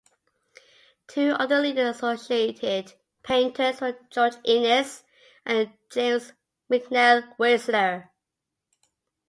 Two of the leading associated painters were George Inness and James McNeill Whistler.